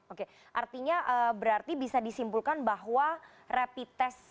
oke artinya berarti bisa disimpulkan bahwa rapid test